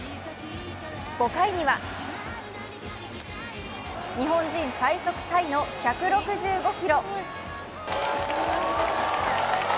５回には日本人最速タイの１６５キロ。